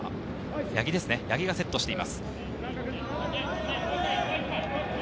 八木ですね、八木がセットしています。